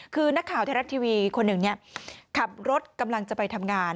คือนักข่าวไทยรัฐทีวีคนหนึ่งขับรถกำลังจะไปทำงาน